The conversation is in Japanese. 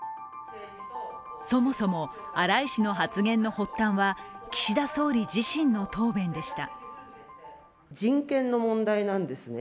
そもそも荒井氏の発言の発端は岸田総理自身の答弁でした。